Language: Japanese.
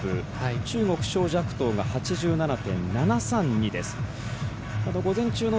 中国、蕭若騰が８６．７３２です。